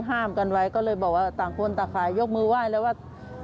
ห้ามกันไว้ก็เลยบอกว่าต่างคนต่างขายยกมือไหว้แล้วว่า